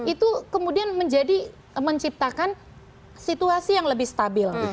itu kemudian menjadi menciptakan situasi yang lebih stabil